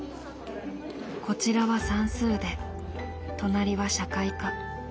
こちらは算数で隣は社会科。